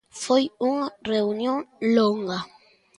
Foi unha reunión longa.